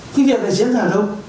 những việc này diễn ra đâu